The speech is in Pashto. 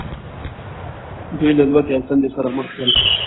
دوی له ولږې او تندې سره مخ شول.